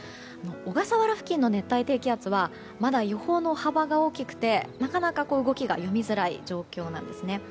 小笠原付近の熱帯低気圧はまだ予報の幅が大きくてなかなか、動きが読みづらい状況なんですね。